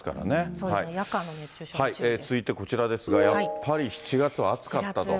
そうですね、続いてこちらですが、やっぱり７月は暑かったと。